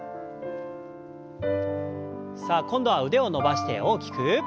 さあ今度は腕を伸ばして大きく。